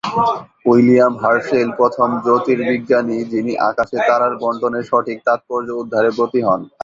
William Herschel প্রথম জ্যোতির্বিজ্ঞানী যিনি আকাশে তারার বণ্টনের সঠিক তাৎপর্য উদ্ধারে ব্রতী হন।